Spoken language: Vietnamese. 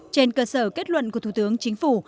trên cơ sở kết luận của thủ tướng chính phủ